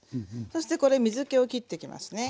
そしてこれ水けを切っていきますね。